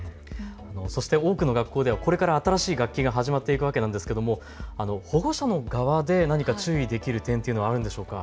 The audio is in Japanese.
そして多くの学校ではこれから新しい学期が始まっていくわけなんですけれども保護者の側で何か注意できる点というのはあるのでしょうか。